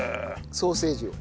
ソーセージを。